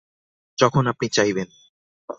যখন আপনি চাইবেন।